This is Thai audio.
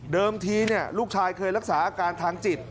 ทีลูกชายเคยรักษาอาการทางจิต